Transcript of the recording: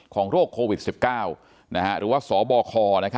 โรคโควิด๑๙หรือว่าสบค